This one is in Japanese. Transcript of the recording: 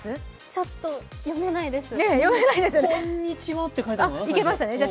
ちょっと読めないです。